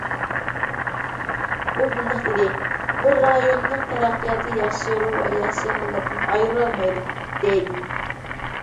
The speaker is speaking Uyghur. ئۇ مۇنداق دېدى:‹‹ بىر رايوننىڭ تەرەققىياتى ياخشى روھ ۋە ياخشى ھالەتتىن ئايرىلالمايدۇ›› دېدى.